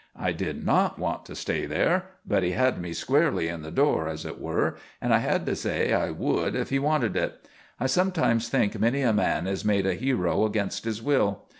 I did not want to stay there, but he had me squarely in the door, as it were, and I had to say I would if he wanted it. I sometimes think many a man is made a hero against his will.